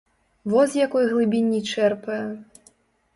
Во з якой глыбіні чэрпае!